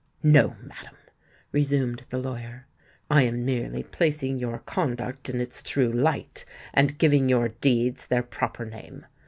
"No, madam," resumed the lawyer; "I am merely placing your conduct in its true light, and giving your deeds their proper name.